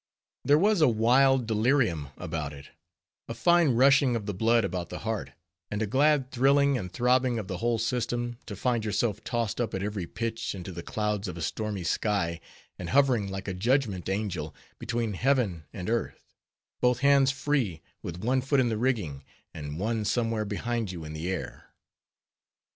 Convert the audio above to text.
There was a wild delirium about it; a fine rushing of the blood about the heart; and a glad, thrilling, and throbbing of the whole system, to find yourself tossed up at every pitch into the clouds of a stormy sky, and hovering like a judgment angel between heaven and earth; both hands free, with one foot in the rigging, and one somewhere behind you in the air.